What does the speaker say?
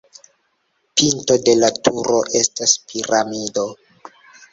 Pinto de la turo estas piramido.